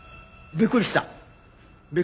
びっくりした。